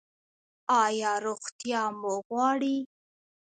ایا روغتیا مو غواړئ؟